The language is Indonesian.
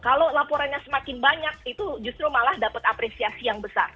kalau laporannya semakin banyak itu justru malah dapat apresiasi yang besar